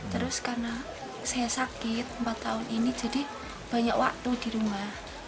terus karena saya sakit empat tahun ini jadi banyak waktu di rumah